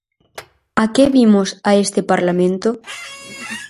¿A que vimos a este Parlamento?